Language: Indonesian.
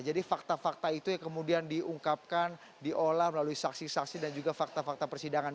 jadi fakta fakta itu yang kemudian diungkapkan diolah melalui saksi saksi dan juga fakta fakta persidangan